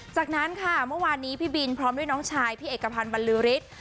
จากนั้นค่ะเมื่อวานนี้พี่บินพร้อมด้วยน้องชายพี่เอกพันธ์บรรลือฤทธิ์